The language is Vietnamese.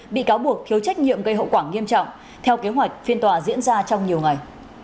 bị cáo buộc thiếu trách nhiệm gây hậu quả nghiêm trọng theo kế hoạch phiên tòa diễn ra trong nhiều ngày